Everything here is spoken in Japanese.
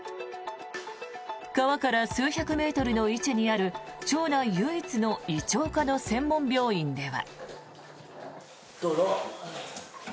川から数百メートルの位置にある町内唯一の胃腸科の専門病院では。